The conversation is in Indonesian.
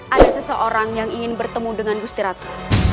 ada seseorang yang ingin bertemu dengan gusti ratu